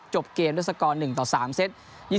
เกมด้วยสกอร์๑ต่อ๓เซต